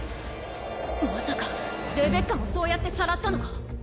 まさかレベッカもそうやってさらったのか？